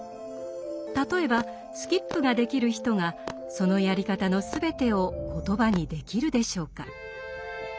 例えばスキップができる人がそのやり方の全てを言葉にできるでしょうか？